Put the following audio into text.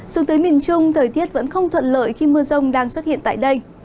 xuống tới miền trung thời tiết vẫn không thuận lợi khi mưa rông đang xuất hiện tại đây